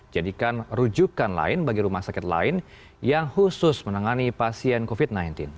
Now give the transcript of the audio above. jadikan rujukan lain bagi rumah sakit lain yang khusus menangani pasien covid sembilan belas